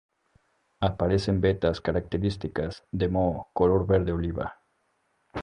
Aparecen vetas características de moho color verde oliva.